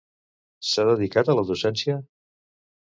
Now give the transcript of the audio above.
S'ha dedicat a la docència?